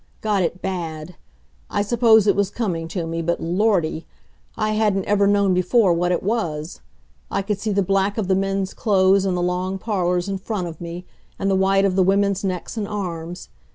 Got it bad. I suppose it was coming to me, but Lordy! I hadn't ever known before what it was. I could see the black of the men's clothes in the long parlors in front of me, and the white of the women's necks and arms.